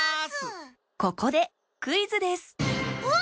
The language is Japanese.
ここでクイズですえっ？